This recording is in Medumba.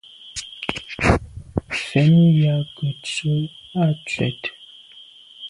Mfen yag ke ntswe à ntshwèt.